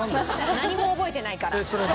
何も覚えてないから。